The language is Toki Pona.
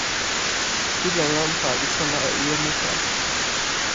ilo nanpa li sona e ijo mute.